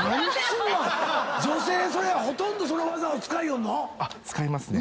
女性それほとんどその技を使いよんの⁉使いますね。